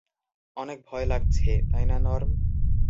অনেক ভয় লাগছে, তাই না নর্ম?